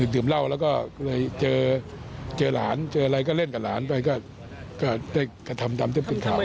ดื่มเหล้าแล้วก็เลยเจอหลานเจออะไรก็เล่นกับหลานไปก็ได้กระทำตามที่เป็นข่าว